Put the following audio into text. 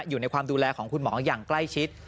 อยู่ในความดูแลของคุณหมออย่างใกล้ชิด